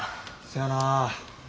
そやなぁ。